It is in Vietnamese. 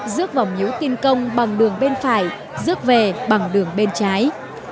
dước vào miếu tiên công bằng đường bên phải dước về bằng đường bên trái